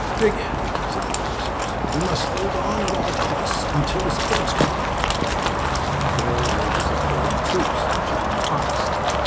"Dig in," said the officers. "We must hold on at all costs until the supports come up." Where were the supporting troops which had been promised?